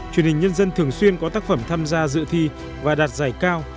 truyền hình nhân dân thường xuyên có tác phẩm tham gia dự thi và đạt giải cao